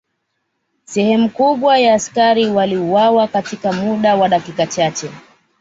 Sehemu kubwa ya askari waliuawa katika muda wa dakika chache